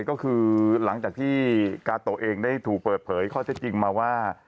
ก็คือหลังจากที่กาโตะเองได้ถูกเปิดเผยข้อเท็จจริงมาว่า